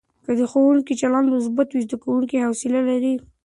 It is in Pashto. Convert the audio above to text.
که د ښوونکي چلند مثبت وي، زده کوونکي حوصله لري.